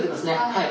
はい。